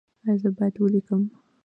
ایا زه باید ولیکم؟